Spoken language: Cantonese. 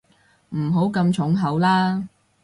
唔好咁重口啦